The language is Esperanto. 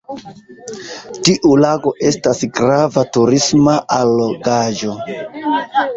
Tiu lago estas grava turisma allogaĵo.